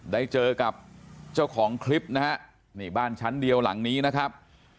ได้เจอกับเจ้าของคลิปนะฮะนี่บ้านชั้นเดียวหลังนี้นะครับ